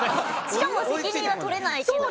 しかも「責任は取れないけど」。